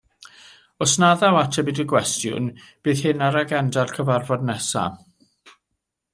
Os na ddaw ateb i dy gwestiwn, bydd hyn ar agenda'r cyfarfod nesaf.